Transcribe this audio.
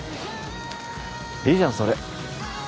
いいじゃんそれ。